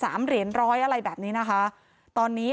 เพราะทนายอันนันชายเดชาบอกว่าจะเป็นการเอาคืนยังไง